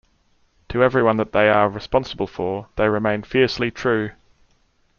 To everyone that they are responsible for, they remain fiercely true.